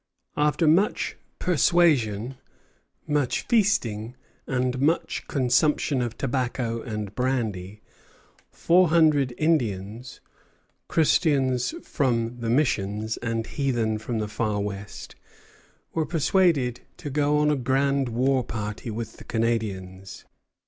After much persuasion, much feasting, and much consumption of tobacco and brandy, four hundred Indians, Christians from the Missions and heathen from the far west, were persuaded to go on a grand war party with the Canadians.